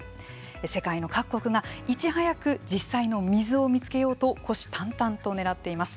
世界の各国がいち早く実際の水を見つけようと虎視眈々とねらっています。